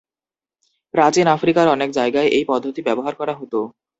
প্রাচীন আফ্রিকার অনেক জায়গায় এই পদ্ধতি ব্যবহার করা হতো।